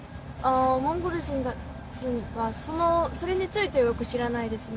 モンゴル人はそれについてはよく知らないですね。